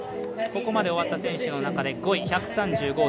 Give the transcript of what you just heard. ここまで終わった選手の中で５位１３５．５０です。